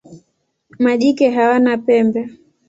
Majike hawana pembe.